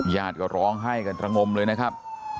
ญาติก็ร้องไห้กันตระงมเลยนะครับ